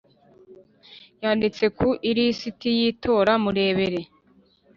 yanditse ku ilisiti y itora murebere